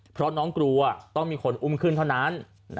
เพราะน้องกลัวต้องมีคนอุ้มขึ้นเท่านั้น